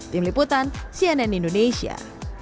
tim liputan cnn indonesia